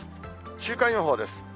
週間予報です。